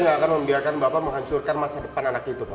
nggak akan membiarkan bapak menghancurkan masa depan anak itu pak